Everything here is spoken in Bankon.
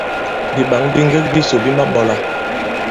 Bìɓǎŋ bi ŋgek bisò bi maɓɔɔlà.